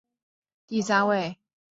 港口规模居湖北省第三位。